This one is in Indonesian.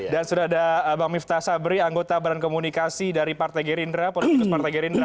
dan sudah ada bang miftah sabri anggota baran komunikasi dari partai gerindra politikus partai gerindra